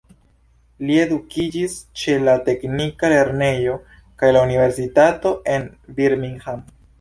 Li edukiĝis ĉe la teknika lernejo kaj la universitato en Birmingham.